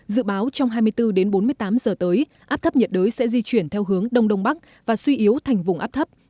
dự báo trong hai mươi bốn đến bốn mươi tám giờ tới áp thấp nhiệt đới sẽ di chuyển theo hướng đông đông bắc và suy yếu thành vùng áp thấp